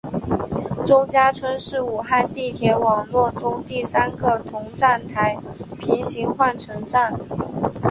钟家村是武汉地铁网络中第三个同站台平行换乘站。